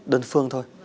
đơn phương thôi